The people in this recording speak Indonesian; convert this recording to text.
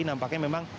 nampaknya memang di sini